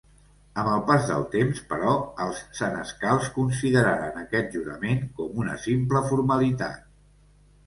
Amb els pas del temps però, els senescals consideraren aquest jurament com una simple formalitat.